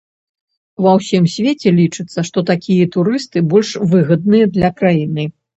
Ва ўсім свеце лічыцца, што такія турысты больш выгадныя для краіны.